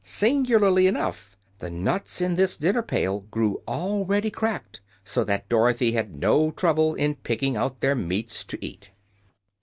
Singularly enough, the nuts in this dinner pail grew already cracked, so that Dorothy had no trouble in picking out their meats to eat.